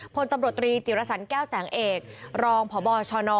พลตำรวจตรีจิรสันแก้วแสงเอกรองพบชน